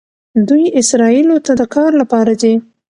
دوی اسرائیلو ته د کار لپاره راځي.